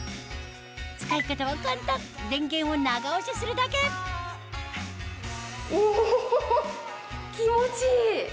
使い方は簡単電源を長押しするだけお気持ちいい！